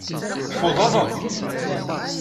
Tfudeḍ?